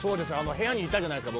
部屋にいたじゃないですか